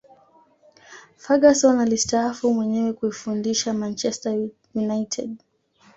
ferguson alistaafu mwenyewe kuifundisha manchester united